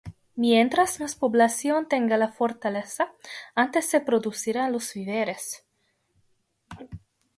Mientras más población tenga la fortaleza, antes se producirán los víveres.